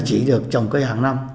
chỉ được trồng cây hàng năm